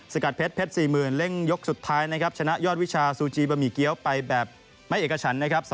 กัดเพชรเพชร๔๐๐๐เร่งยกสุดท้ายนะครับชนะยอดวิชาซูจีบะหมี่เกี้ยวไปแบบไม่เอกฉันนะครับ